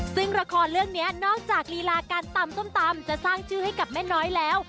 ซึ่งละครเรื่องนี้นอกจากลีลาการตำส้มตำจะสร้างชื่อให้กับแม่น้อยแล้ว